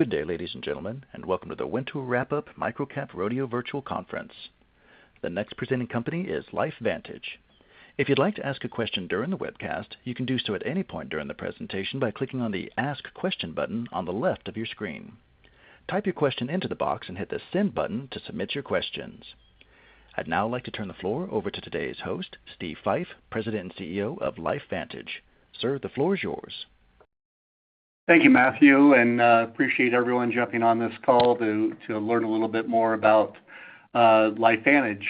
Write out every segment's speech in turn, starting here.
Good day, ladies and gentlemen, and welcome to the Winter Wrap-Up MicroCap Rodeo Virtual Conference. The next presenting company is LifeVantage. If you'd like to ask a question during the webcast, you can do so at any point during the presentation by clicking on the Ask Question button on the left of your screen. Type your question into the box and hit the Send button to submit your questions. I'd now like to turn the floor over to today's host, Steve Fife, President and CEO of LifeVantage. Sir, the floor is yours. Thank you, Matthew, and appreciate everyone jumping on this call to learn a little bit more about LifeVantage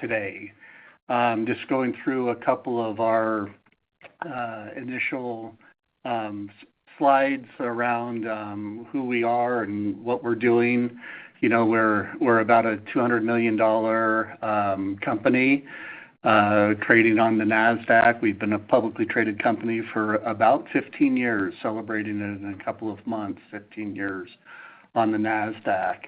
today. Just going through a couple of our initial slides around who we are and what we're doing. You know, we're about a $200 million company trading on the Nasdaq. We've been a publicly traded company for about 15 years, celebrating it in a couple of months, 15 years on the Nasdaq.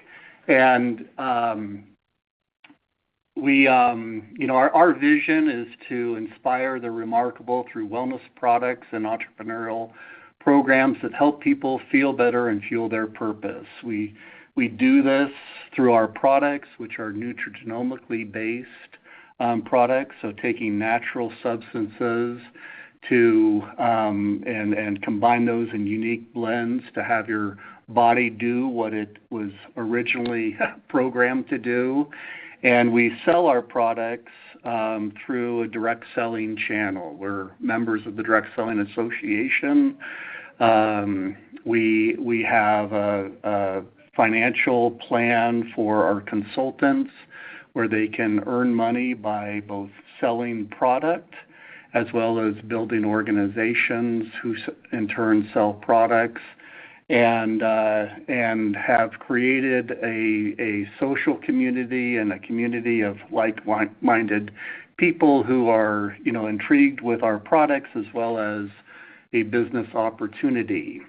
You know, our vision is to inspire the remarkable through wellness products and entrepreneurial programs that help people feel better and fuel their purpose. We do this through our products, which are nutrigenomically-based products. So taking natural substances to and combine those in unique blends to have your body do what it was originally programmed to do. We sell our products through a direct selling channel. We're members of the Direct Selling Association. We have a financial plan for our consultants, where they can earn money by both selling product as well as building organizations who in turn sell products. And we have created a social community and a community of like-minded people who are, you know, intrigued with our products as well as a business opportunity.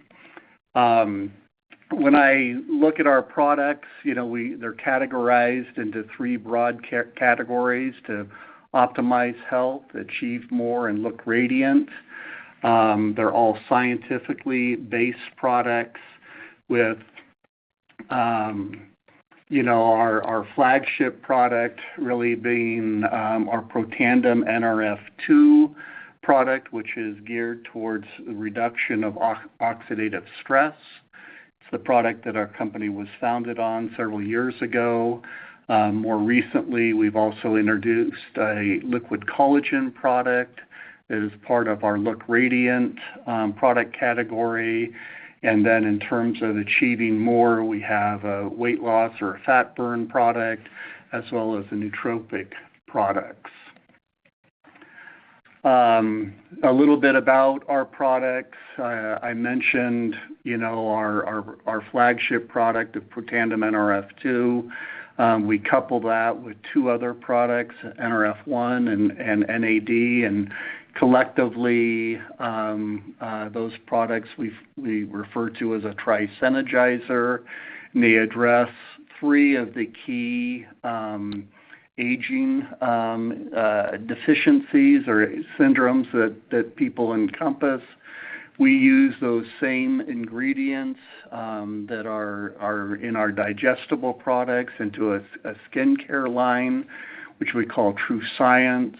When I look at our products, you know, they're categorized into three broad categories to optimize health, achieve more, and look radiant. They're all scientifically based products with, you know, our flagship product really being our Protandim Nrf2 product, which is geared towards the reduction of oxidative stress. It's the product that our company was founded on several years ago. More recently, we've also introduced a liquid collagen product that is part of our Look Radiant product category. And then in terms of achieving more, we have a weight loss or a fat burn product, as well as the nootropic products. A little bit about our products. I mentioned, you know, our flagship product, the Protandim Nrf2. We couple that with two other products, Nrf1 and NAD. And collectively, those products we refer to as a Tri-Synergizer, and they address three of the key aging deficiencies or syndromes that people encompass. We use those same ingredients that are in our digestible products into a skincare line, which we call TrueScience.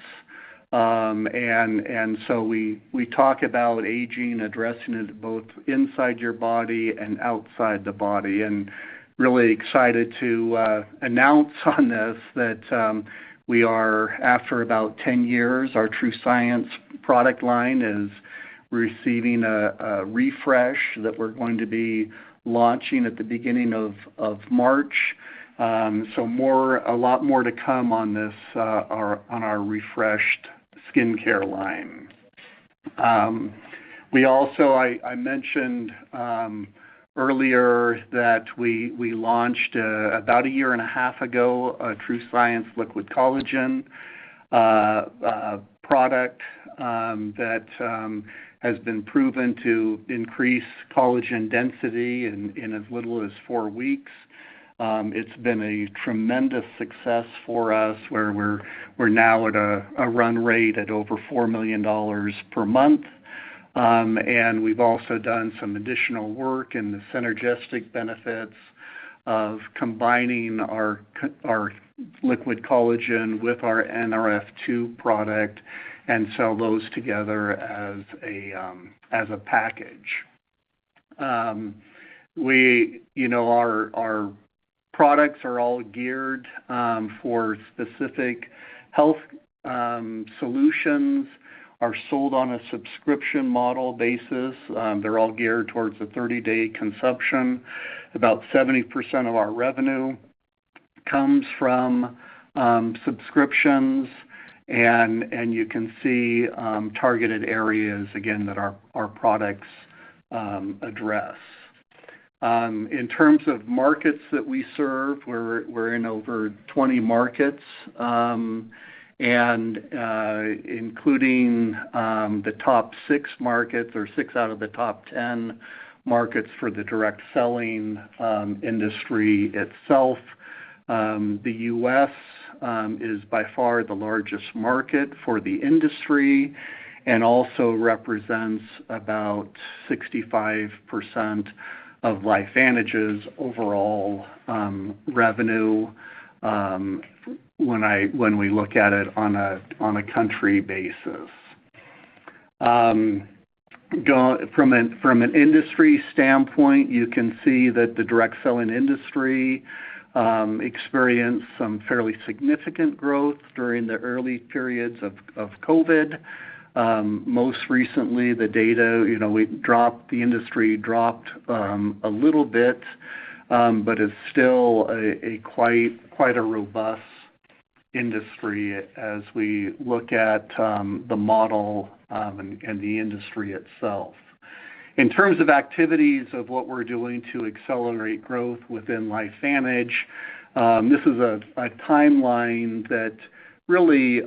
And so we talk about aging, addressing it both inside your body and outside the body. Really excited to announce on this that, after about 10 years, our TrueScience product line is receiving a refresh that we're going to be launching at the beginning of March. So more, a lot more to come on this, on our refreshed skincare line. We also, I mentioned earlier that we launched, about a year and a half ago, a TrueScience Liquid Collagen product, that has been proven to increase collagen density in as little as 4 weeks. It's been a tremendous success for us, where we're now at a run rate at over $4 million per month. We've also done some additional work in the synergistic benefits of combining our liquid collagen with our Nrf2 product, and sell those together as a package. You know, our products are all geared for specific health solutions, are sold on a subscription model basis. They're all geared towards a 30-day consumption. About 70% of our revenue comes from subscriptions, and you can see targeted areas again that our products address. In terms of markets that we serve, we're in over 20 markets, and including the top 6 markets or 6 out of the top 10 markets for the direct selling industry itself. The U.S. is by far the largest market for the industry and also represents about 65% of LifeVantage's overall revenue when we look at it on a country basis. From an industry standpoint, you can see that the direct selling industry experienced some fairly significant growth during the early periods of COVID. Most recently, the data, you know, the industry dropped a little bit, but it's still quite a robust industry as we look at the model and the industry itself. In terms of activities of what we're doing to accelerate growth within LifeVantage, this is a timeline that really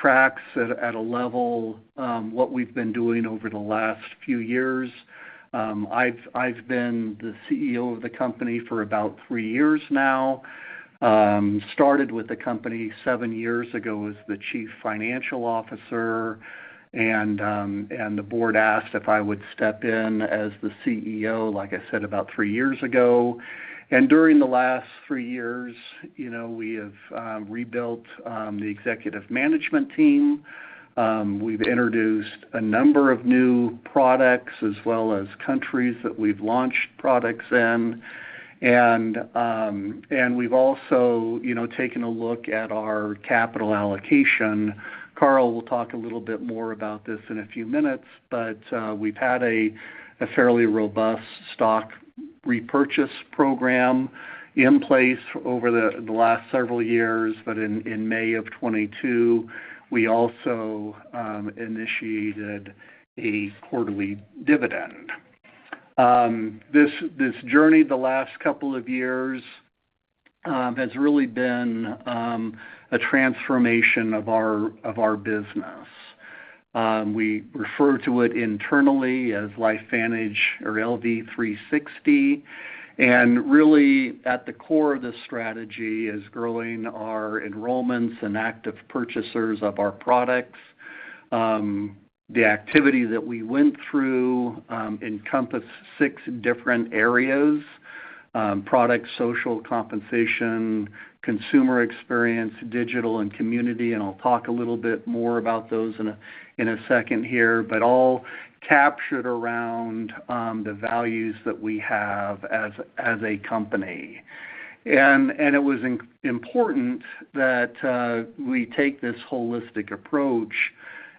tracks at a level what we've been doing over the last few years. I've been the CEO of the company for about three years now. Started with the company seven years ago as the Chief Financial Officer, and the board asked if I would step in as the CEO, like I said, about three years ago. And during the last three years, you know, we have rebuilt the executive management team. We've introduced a number of new products as well as countries that we've launched products in. And we've also, you know, taken a look at our capital allocation. Carl will talk a little bit more about this in a few minutes, but we've had a fairly robust stock repurchase program in place over the last several years. But in May of 2022, we also initiated a quarterly dividend. This journey, the last couple of years, has really been a transformation of our business. We refer to it internally as LifeVantage or LV360, and really, at the core of this strategy is growing our enrollments and active purchasers of our products. The activity that we went through encompassed six different areas: product, social, compensation, consumer experience, digital, and community. I'll talk a little bit more about those in a second here, but all captured around the values that we have as a company. And it was important that we take this holistic approach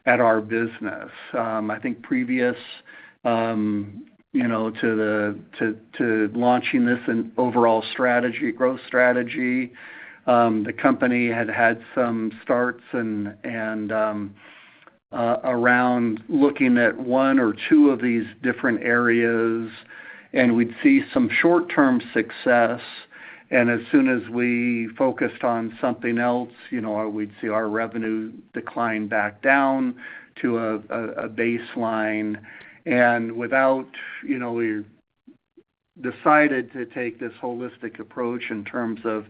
at our business. I think previous, you know, to the launching this and overall strategy, growth strategy, the company had some starts and around looking at one or two of these different areas, and we'd see some short-term success. And as soon as we focused on something else, you know, we'd see our revenue decline back down to a baseline. And, you know, we decided to take this holistic approach in terms of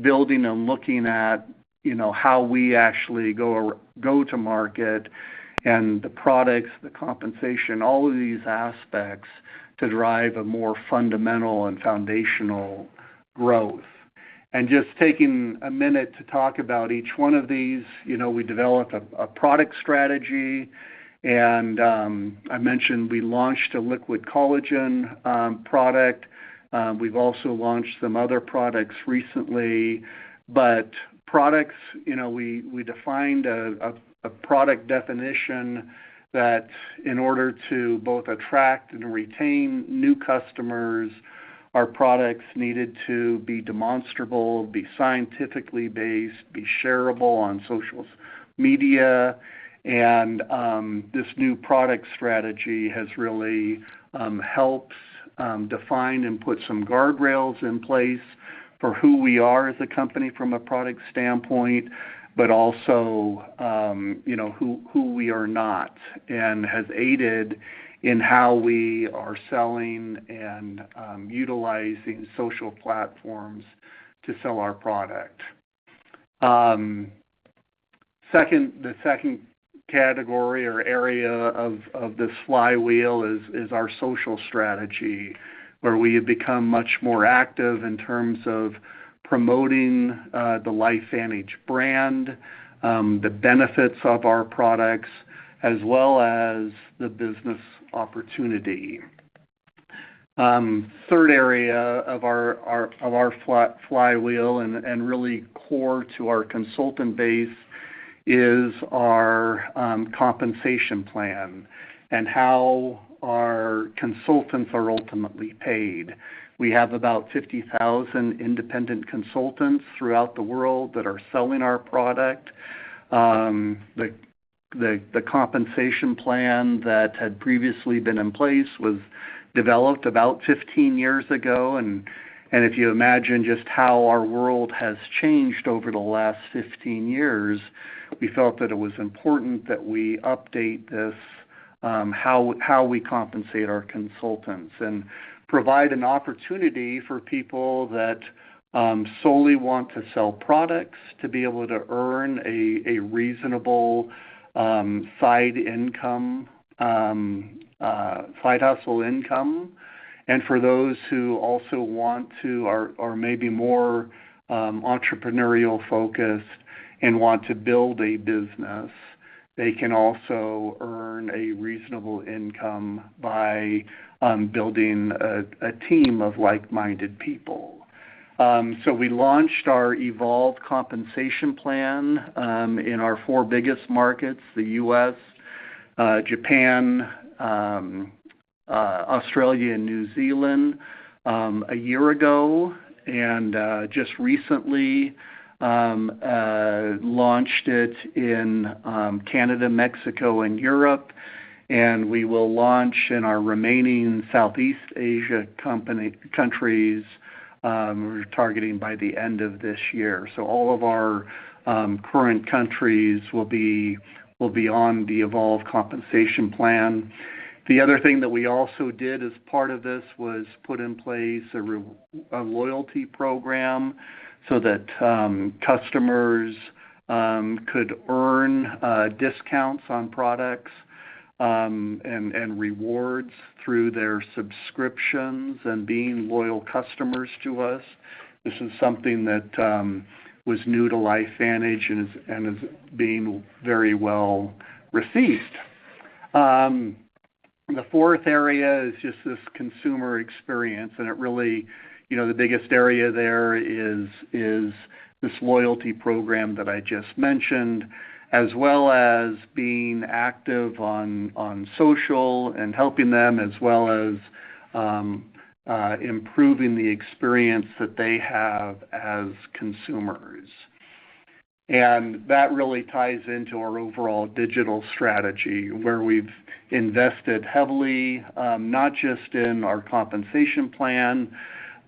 building and looking at, you know, how we actually go to market and the products, the compensation, all of these aspects to drive a more fundamental and foundational growth. And just taking a minute to talk about each one of these, you know, we developed a product strategy, and I mentioned we launched a liquid collagen product. We've also launched some other products recently. But products, you know, we defined a product definition that in order to both attract and retain new customers, our products needed to be demonstrable, be scientifically based, be shareable on social media. And this new product strategy has really helped define and put some guardrails in place for who we are as a company from a product standpoint, but also, you know, who we are not, and has aided in how we are selling and utilizing social platforms to sell our product. Second, the category or area of this flywheel is our social strategy, where we have become much more active in terms of promoting the LifeVantage brand, the benefits of our products, as well as the business opportunity. Third area of our flywheel and really core to our consultant base is our compensation plan and how our consultants are ultimately paid. We have about 50,000 independent consultants throughout the world that are selling our product. The compensation plan that had previously been in place was developed about 15 years ago, and if you imagine just how our world has changed over the last 15 years, we felt that it was important that we update this how we compensate our consultants and provide an opportunity for people that solely want to sell products to be able to earn a reasonable side income, side hustle income. For those who also want to, or maybe more entrepreneurial focused and want to build a business, they can also earn a reasonable income by building a team of like-minded people. So we launched our Evolve Compensation Plan in our four biggest markets, the U.S., Japan, Australia and New Zealand, a year ago, and just recently launched it in Canada, Mexico, and Europe. We will launch in our remaining Southeast Asia countries, we're targeting by the end of this year. So all of our current countries will be on the Evolve Compensation Plan. The other thing that we also did as part of this was put in place a loyalty program so that customers could earn discounts on products and rewards through their subscriptions and being loyal customers to us. This is something that was new to LifeVantage and is being very well received. The fourth area is just this consumer experience, and it really, you know, the biggest area there is this loyalty program that I just mentioned, as well as being active on social and helping them, as well as improving the experience that they have as consumers. And that really ties into our overall digital strategy, where we've invested heavily, not just in our compensation plan,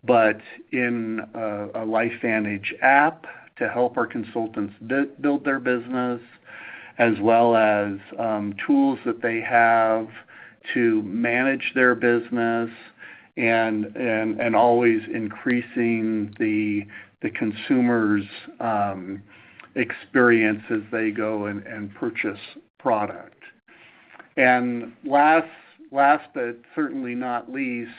but in a LifeVantage app to help our consultants build their business, as well as tools that they have to manage their business and always increasing the consumers' experience as they go and purchase product. And last but certainly not least,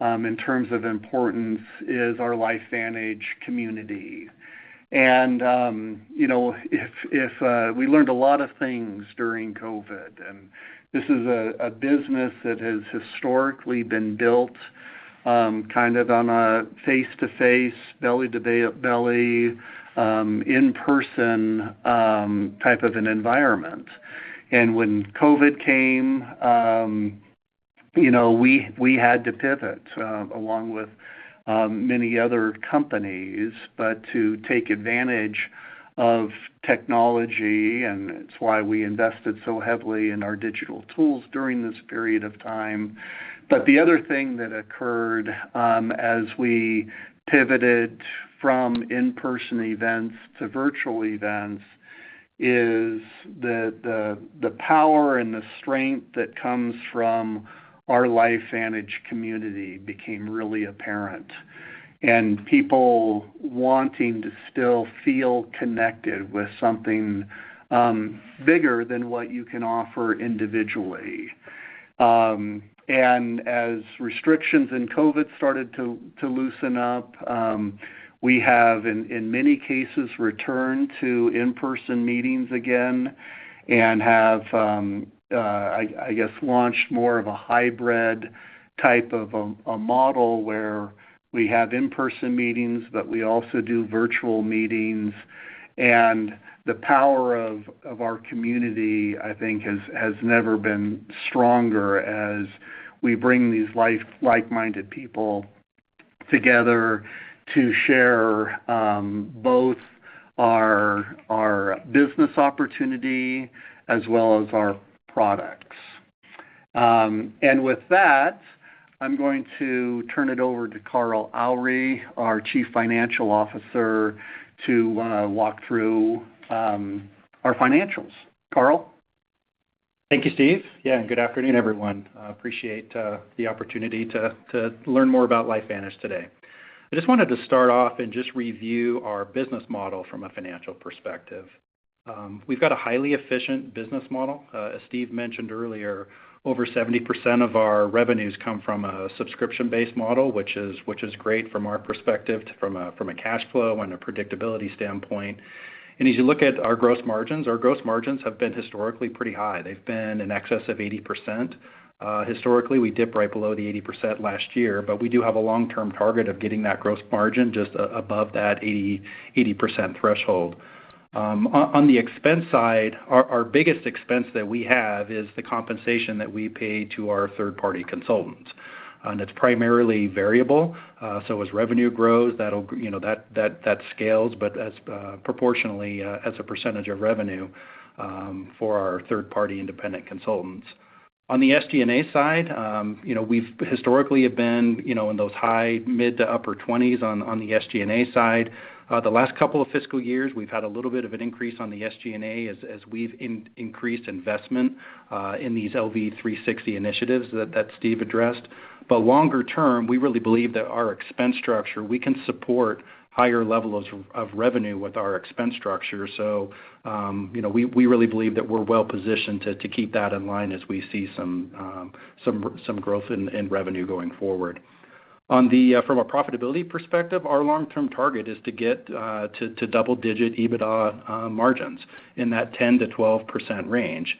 in terms of importance, is our LifeVantage community. And you know, we learned a lot of things during COVID, and this is a business that has historically been built, kind of on a face-to-face, belly-to-belly, in-person type of an environment. When COVID came, you know, we had to pivot, along with many other companies, but to take advantage of technology, and it's why we invested so heavily in our digital tools during this period of time. But the other thing that occurred, as we pivoted from in-person events to virtual events, is that the power and the strength that comes from our LifeVantage community became really apparent, and people wanting to still feel connected with something bigger than what you can offer individually. And as restrictions in COVID started to loosen up, we have, in many cases, returned to in-person meetings again and have, I guess, launched more of a hybrid type of a model, where we have in-person meetings, but we also do virtual meetings. The power of our community, I think, has never been stronger as we bring these like-minded people together to share both our business opportunity as well as our products. With that, I'm going to turn it over to Carl Aure, our Chief Financial Officer, to walk through our financials. Carl? Thank you, Steve. Yeah, and good afternoon, everyone. I appreciate the opportunity to learn more about LifeVantage today. I just wanted to start off and just review our business model from a financial perspective. We've got a highly efficient business model. As Steve mentioned earlier, over 70% of our revenues come from a subscription-based model, which is great from our perspective, from a cash flow and a predictability standpoint. And as you look at our gross margins, our gross margins have been historically pretty high. They've been in excess of 80%. Historically, we dipped right below the 80% last year, but we do have a long-term target of getting that gross margin just above that 80% threshold. On the expense side, our biggest expense that we have is the compensation that we pay to our third-party consultants, and it's primarily variable. So as revenue grows, that'll, you know, that scales, but as, proportionally, as a percentage of revenue, for our third-party independent consultants. On the SG&A side, you know, we've historically have been, you know, in those high mid to upper twenties on the SG&A side. The last couple of fiscal years, we've had a little bit of an increase on the SG&A as we've increased investment in these LV360 initiatives that Steve addressed. But longer term, we really believe that our expense structure, we can support higher levels of revenue with our expense structure. So, you know, we really believe that we're well positioned to keep that in line as we see some growth in revenue going forward. From a profitability perspective, our long-term target is to get to double-digit EBITDA margins in that 10%-12% range.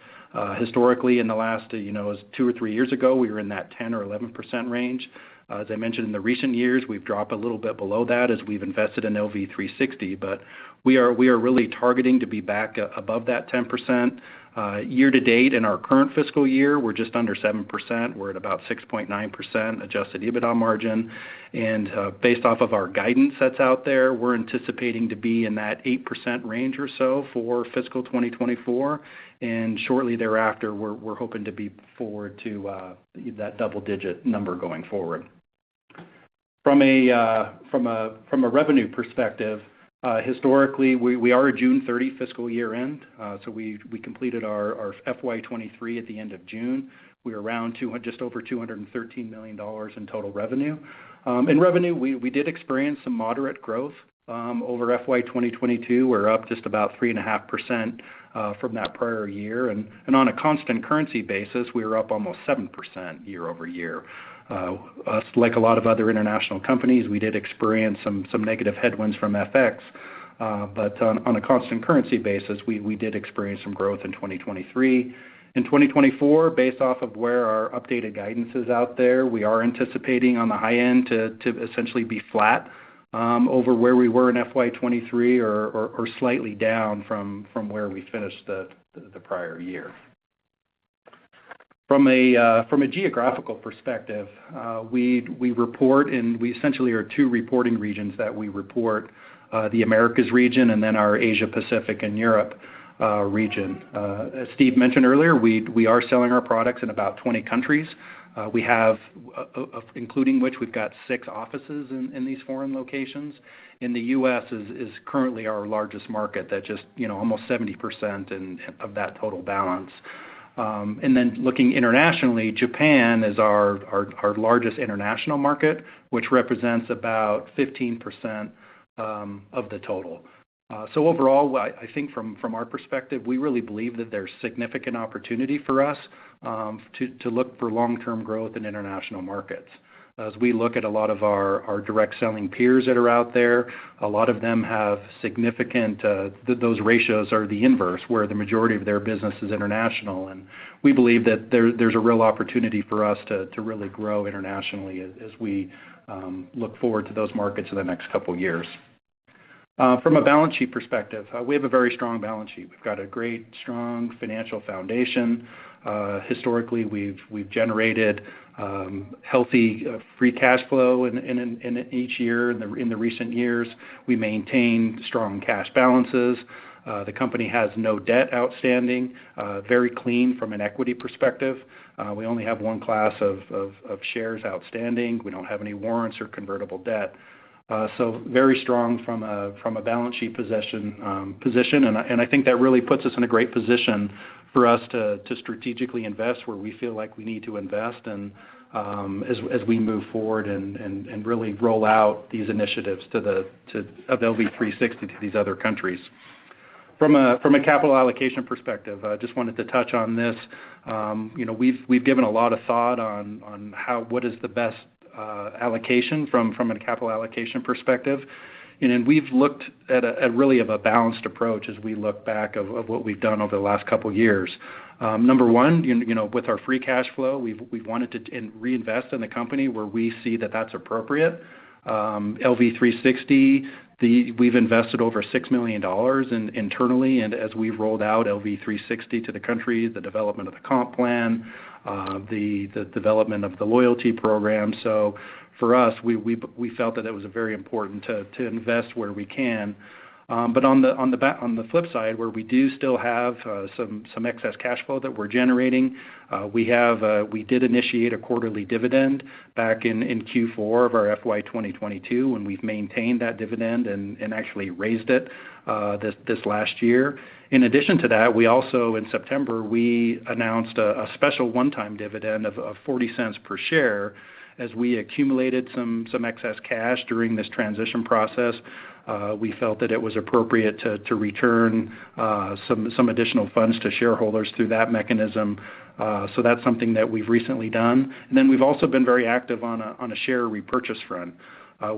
Historically, in the last, you know, two or three years ago, we were in that 10% or 11% range. As I mentioned, in the recent years, we've dropped a little bit below that as we've invested in LV360, but we are really targeting to be back above that 10%. Year-to-date in our current fiscal year, we're just under 7%. We're at about 6.9% Adjusted EBITDA margin, and based off of our guidance that's out there, we're anticipating to be in that 8% range or so for fiscal 2024, and shortly thereafter, we're hoping to be forward to that double-digit number going forward. From a revenue perspective, historically, we are a June 30 fiscal year end. So we completed our FY 2023 at the end of June. We were around just over $213 million in total revenue. In revenue, we did experience some moderate growth over FY 2022. We're up just about 3.5% from that prior year, and on a constant currency basis, we were up almost 7% YoY. Like a lot of other international companies, we did experience some negative headwinds from FX, but on a constant currency basis, we did experience some growth in 2023. In 2024, based off of where our updated guidance is out there, we are anticipating on the high end to essentially be flat over where we were in FY 2023 or slightly down from where we finished the prior year. From a geographical perspective, we report, and we essentially are two reporting regions that we report, the Americas region and then our Asia Pacific and Europe region. As Steve mentioned earlier, we are selling our products in about 20 countries. We have, including which, we've got 6 offices in these foreign locations. In the U.S. is currently our largest market, that just, you know, almost 70% and of that total balance. And then looking internationally, Japan is our largest international market, which represents about 15% of the total. So overall, I think from our perspective, we really believe that there's significant opportunity for us to look for long-term growth in international markets. As we look at a lot of our direct selling peers that are out there, a lot of them have significant... Those ratios are the inverse, where the majority of their business is international. And we believe that there's a real opportunity for us to really grow internationally as we look forward to those markets in the next couple years. From a balance sheet perspective, we have a very strong balance sheet. We've got a great, strong financial foundation. Historically, we've generated healthy free cash flow in each year. In recent years, we maintained strong cash balances. The company has no debt outstanding, very clean from an equity perspective. We only have one class of shares outstanding. We don't have any warrants or convertible debt. So very strong from a balance sheet position, and I think that really puts us in a great position for us to strategically invest where we feel like we need to invest, and as we move forward and really roll out these initiatives to LV360 to these other countries. From a capital allocation perspective, I just wanted to touch on this. You know, we've given a lot of thought on how—what is the best allocation from a capital allocation perspective. And then we've looked at really of a balanced approach as we look back of what we've done over the last couple of years. Number one, you know, with our free cash flow, we've wanted to reinvest in the company where we see that that's appropriate. LV360, we've invested over $6 million internally, and as we've rolled out LV360 to the country, the development of the comp plan, the development of the loyalty program. So for us, we felt that it was very important to invest where we can. But on the flip side, where we do still have some excess cash flow that we're generating, we have. We did initiate a quarterly dividend back in Q4 of our FY 2022, and we've maintained that dividend and actually raised it this last year. In addition to that, we also, in September, we announced a special one-time dividend of $0.40 per share. As we accumulated some excess cash during this transition process, we felt that it was appropriate to return some additional funds to shareholders through that mechanism. So that's something that we've recently done. And then we've also been very active on a share repurchase front.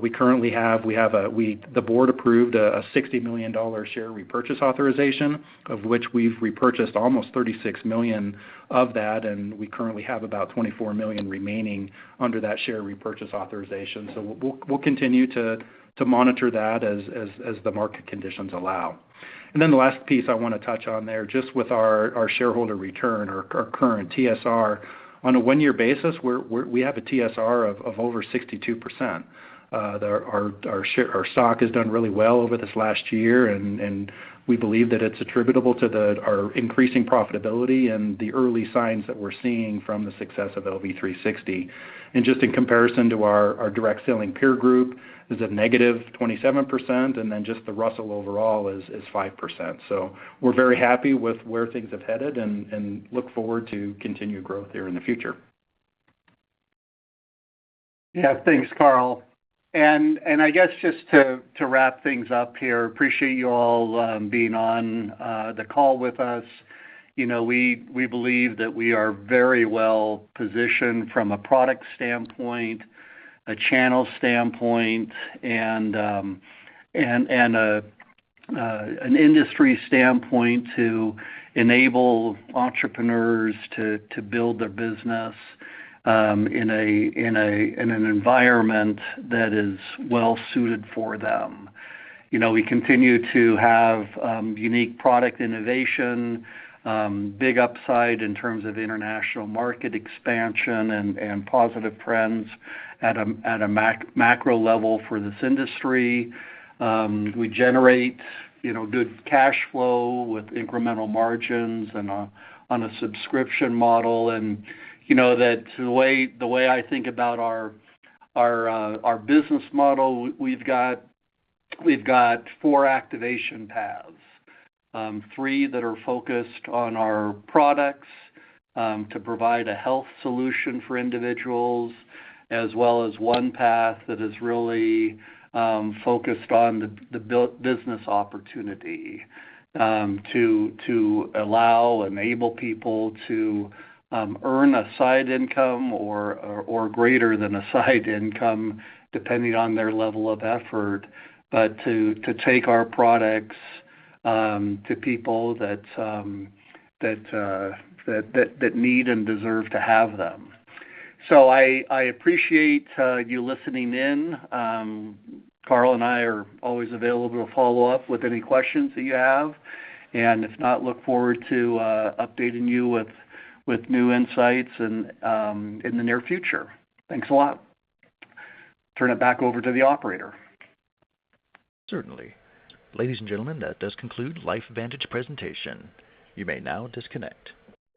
We currently have the board approved a $60 million share repurchase authorization, of which we've repurchased almost $36 million of that, and we currently have about $24 million remaining under that share repurchase authorization. So we'll continue to monitor that as the market conditions allow. And then the last piece I wanna touch on there, just with our shareholder return, our current TSR. On a one-year basis, we have a TSR of over 62%. Our stock has done really well over this last year, and we believe that it's attributable to our increasing profitability and the early signs that we're seeing from the success of LV360. Just in comparison to our direct selling peer group, is a -27%, and then just the Russell overall is 5%. So we're very happy with where things have headed and look forward to continued growth there in the future. Yeah. Thanks, Carl. And I guess just to wrap things up here, appreciate you all being on the call with us. You know, we believe that we are very well positioned from a product standpoint, a channel standpoint, and an industry standpoint to enable entrepreneurs to build their business in an environment that is well suited for them. You know, we continue to have unique product innovation, big upside in terms of international market expansion and positive trends at a macro level for this industry. We generate, you know, good cash flow with incremental margins and on a subscription model. And you know, the way I think about our business model, we've got four activation paths. Three that are focused on our products to provide a health solution for individuals, as well as one path that is really focused on the business opportunity to allow, enable people to earn a side income or greater than a side income, depending on their level of effort, but to take our products to people that need and deserve to have them. So I appreciate you listening in. Carl and I are always available to follow up with any questions that you have, and if not, look forward to updating you with new insights in the near future. Thanks a lot. Turn it back over to the operator. Certainly. Ladies and gentlemen, that does conclude LifeVantage presentation. You may now disconnect.